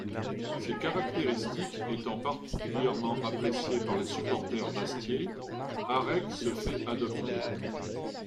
Ces caractéristiques étant particulièrement appréciées par les supporters bastiais, Harek se fait adopter.